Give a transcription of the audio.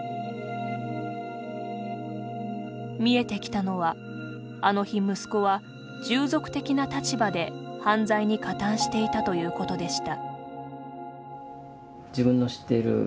見えてきたのは、あの日息子は従属的な立場で犯罪に加担していたということでした。